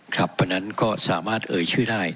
เพราะฉะนั้นก็สามารถเอ่ยชื่อได้